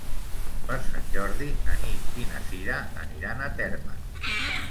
Per Sant Jordi na Nit i na Sira aniran a Térmens.